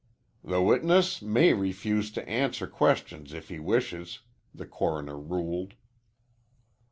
"The witness may refuse to answer questions if he wishes," the coroner ruled.